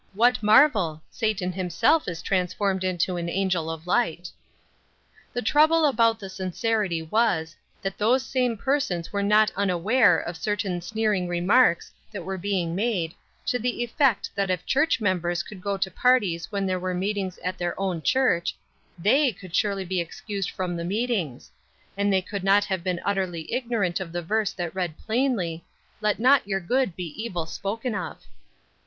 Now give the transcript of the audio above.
What marvel? Satan himself is transformed into an angel of light. The trouble about the sincerity was, that those same persons were not unaware of certain sneering remarks that were being made, to the effect that if church members could go to parties when there were meetings at their own church, they could surely be excused from the meetings; and they could not have been utterly ignorant of the verse that read plainly, "Let not your good be evil spoken of."